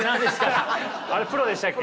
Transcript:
あれプロでしたっけ。